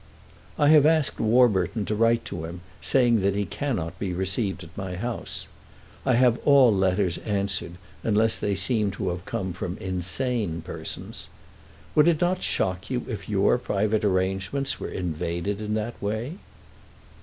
"I have asked Warburton to write to him, saying that he cannot be received at my house. I have all letters answered unless they seem to have come from insane persons. Would it not shock you if your private arrangements were invaded in that way?"